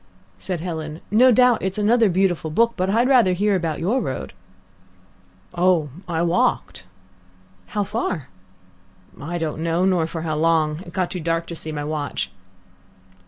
Said Helen, "No doubt it's another beautiful book, but I'd rather hear about your road." "Oh, I walked." "How far?" "I don't know, nor for how long. It got too dark to see my watch."